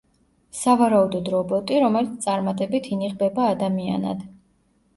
სავარაუდოდ რობოტი, რომელიც წარმატებით ინიღბება ადამიანად.